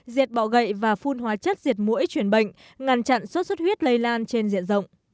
diệt bọ gậy và phun hóa chất diệt mũi chuyển bệnh ngăn chặn sốt xuất huyết lây lan trên diện rộng